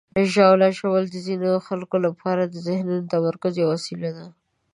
ژاوله ژوول د ځینو خلکو لپاره د ذهني تمرکز یوه وسیله ده.